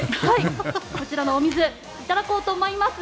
こちらのお水いただこうと思います。